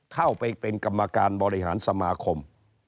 เข้าไปเป็นกรรมการบริหารสมาคม